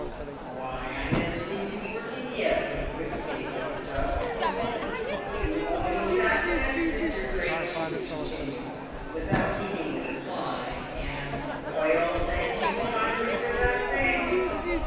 "Why, I never seed you working vet!" would equivocate the Duck. " You owe me saxpence, Mr. Drake," she would continue, without heeding the reply, " and oi'll thank you kindly for that same."